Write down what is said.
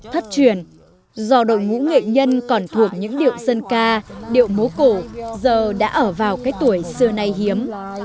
thất truyền do đội ngũ nghệ nhân còn thuộc những điệu dân ca điệu múa cổ giờ đã ở vào cái tuổi xưa nay hiếm